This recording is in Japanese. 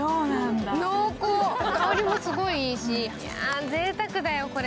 濃厚、香りもすごいいいしぜいたくだよ、これ。